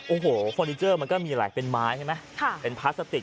โอ้โหเฟอร์นิเจอร์มันก็มีหลายเป็นไม้ใช่ไหมค่ะเป็นพลาสติก